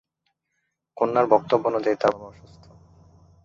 কন্যার বক্তব্য অনুযায়ী তার বাবা অসুস্থ।